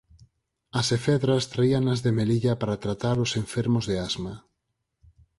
As efedras traíanas de Melilla para tratar os enfermos de asma.